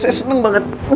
saya seneng banget